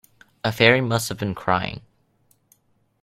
A fairy must have been crying.